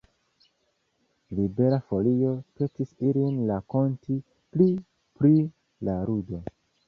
Libera Folio petis ilin rakonti pli pri la ludo.